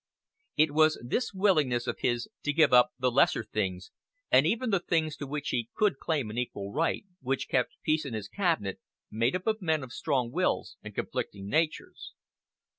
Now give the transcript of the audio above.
It was this willingness of his to give up the "lesser things," and even the things to which he could claim an equal right, which kept peace in his cabinet, made up of men of strong wills and conflicting natures.